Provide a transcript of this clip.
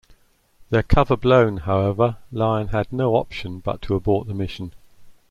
Their cover blown however, Lyon had no option but to abort the mission.